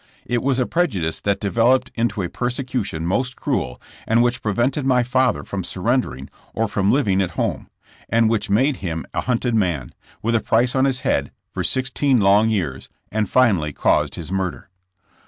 It was a prejudice that developed into a persecution most cruel and which prevented my father from surren dering or from living at home, and which made him a hunted man, with a price on his head, for sixteen long years and finally caused his murder.